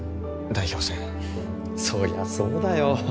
代表戦そりゃそうだよ